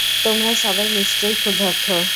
তোমরা সবাই নিশ্চয়ই ক্ষুধার্ত।